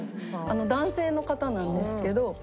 男性の方なんですけど。